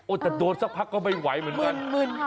แต่โดนสักพักก็ไม่ไหวเหมือนกัน